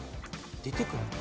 ・出てくる？